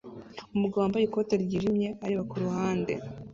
Umugabo wambaye ikoti ryijimye areba kuruhande